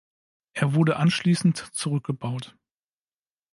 Er wurde anschließend zurückgebaut.